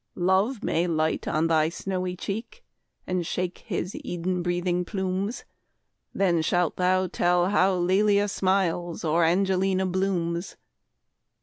Love may light on thy snowy cheek, And shake his Eden breathing plumes; Then shalt thou tell how Lelia smiles, Or Angelina blooms.